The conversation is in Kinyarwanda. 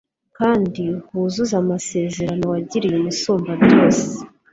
kandi wuzuze amasezerano wagiriye Umusumbabyose